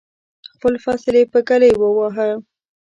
خپل فصل یې په ږلۍ وواهه.